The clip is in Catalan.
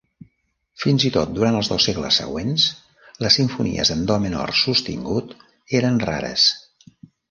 Fins i tot durant els dos segles següents, les simfonies en do menor sostingut eren rares.